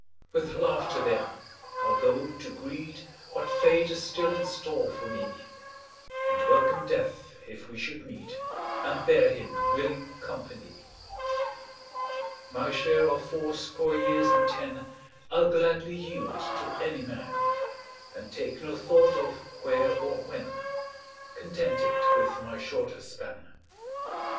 With laughter, then, I'll go to greet What Fate has still in store for me, And welcome Death if we should meet, And bear him willing company. My share of fourscore years and ten I'll gladly yield to any man, And take no thought of " where " or " when," Contented with my shorter span.